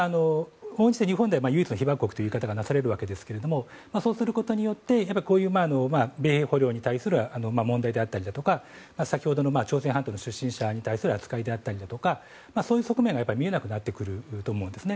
日本では唯一の被爆国という言い方がなされるわけですがそういうことによってこういう米兵捕虜に対する問題だとか先ほどの朝鮮半島出身者に対する扱いであったりだとかそういう側面が見えなくなってくると思うんです。